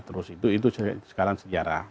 terus itu sekarang sejarah